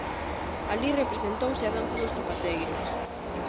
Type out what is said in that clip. Alí representouse a danza dos zapateiros.